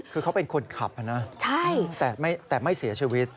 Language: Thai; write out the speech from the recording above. คือเขาเป็นคนขับนะแต่ไม่เสียชีวิต